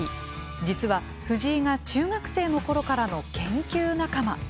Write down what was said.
実は、藤井が中学生のころからの研究仲間。